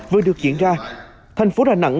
vừa được diễn ra thành phố đà nẵng